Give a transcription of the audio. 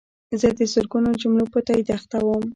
زه د زرګونو جملو په تایید اخته وم.